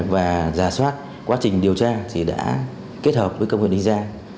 và xoát quá trình điều tra thì đã kết hợp với công an yên giang